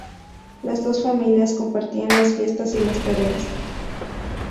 Las dos familias compartían las fiestas y las tareas.